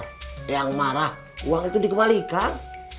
eyang marah uang itu dikembalikan